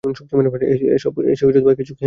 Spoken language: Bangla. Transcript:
এসে কিছু খেয়ে নাও।